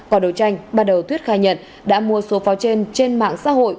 còn đối tranh bắt đầu tuyết khai nhận đã mua số pháo trên trên mạng xã hội